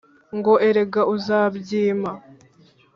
ngo erega uzabyima,